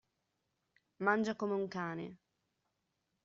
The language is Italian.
Mangia come un cane.